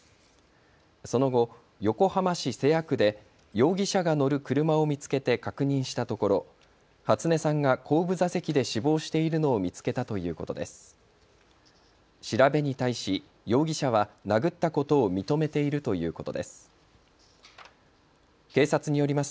その後、横浜市瀬谷区で容疑者が乗る車を見つけて確認したところ初音さんが後部座席で死亡しているのを見つけたということです。